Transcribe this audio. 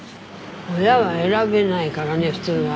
親は選べないからね普通は。